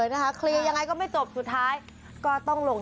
ล่างหลายปล่อยเงินแลบลงหลายลห้องจริงเร่ง